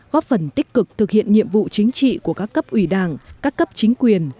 góp phần tích cực thực hiện nhiệm vụ chính trị của các cấp ủy đảng các cấp chính quyền